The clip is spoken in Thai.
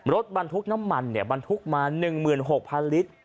รถบรรทุกน้ำมันเนี้ยบรรทุกมาหนึ่งเหมือนหกพันลิตร